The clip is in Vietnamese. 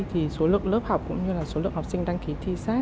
thì số lượng lớp học cũng như là số lượng học sinh đăng ký thi xét